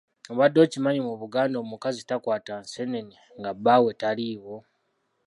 Obadde okimanyi mu Buganda omukazi takwata nseenene nga bbaawe taliiwo.